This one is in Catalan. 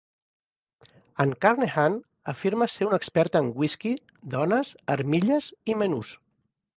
En Carnehan afirma ser un expert en whisky, dones, armilles i menús.